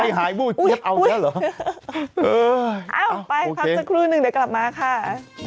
ใจหายก็ว่าเจ๊บเอาแล้วเหรอเอาไปครับสักครู่นึงเดี๋ยวกลับมาค่ะ